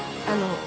あの。